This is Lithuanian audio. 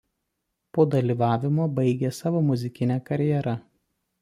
Po dalyvavimo baigė savo muzikinę karjerą.